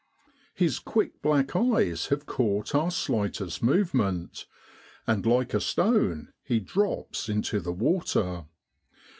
His quick black eyes have caught our slightest movement, and like a stone he drops into the water.